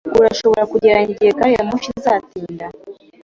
Urashobora kugereranya igihe gari ya moshi izatinda?